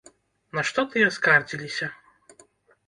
На што тыя скардзіліся?